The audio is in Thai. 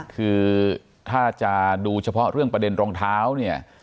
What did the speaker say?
คือถ้าจะดูเฉพาะเรื่องประเด็นรองเท้าเนี่ย